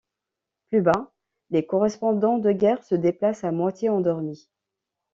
Plus bas, les correspondants de guerre se déplacent, à moitié endormis.